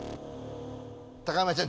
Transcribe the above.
高山ちゃん